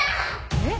えっ？